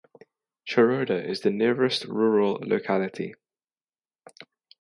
Choroda is the nearest rural locality.